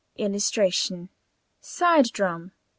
] [Illustration: SIDE DRUM.